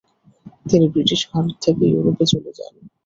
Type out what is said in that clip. তিনি ব্রিটিশ ভারত থেকে ইউরোপ চলে যান।